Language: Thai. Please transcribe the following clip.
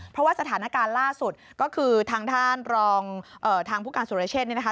เพราะว่าสถานการณ์ล่าสุดก็คือทางด้านรองทางผู้การสุรเชษเนี่ยนะคะ